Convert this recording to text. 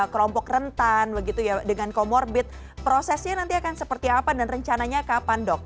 kelompok rentan begitu ya dengan comorbid prosesnya nanti akan seperti apa dan rencananya kapan dok